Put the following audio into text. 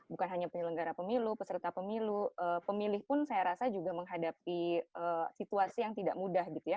bukan hanya penyelenggara pemilu peserta pemilu pemilih pun saya rasa juga menghadapi situasi yang tidak mudah gitu ya